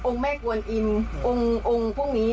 องค์แม่กวนอิมองค์พวกนี้